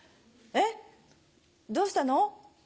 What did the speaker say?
えっどうしたの？